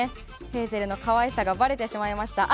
ヘイゼルの可愛さがばれてしまいましたね。